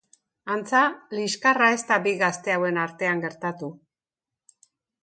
Antza liskarra ez da bi gazte hauen artean gertatu.